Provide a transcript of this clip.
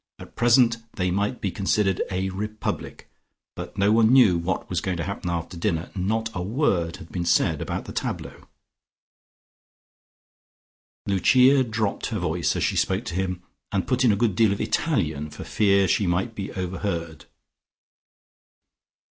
At present, they might be considered a republic, but no one knew what was going to happen after dinner. Not a word had been said about the tableaux. Lucia dropped her voice as she spoke to him, and put in a good deal of Italian for fear she might be overheard.